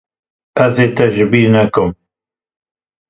Ez ê te ji bîr nekim.